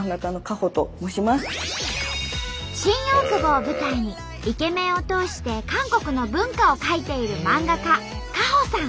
新大久保を舞台にイケメンを通して韓国の文化を描いている漫画家アンニョンハセヨ。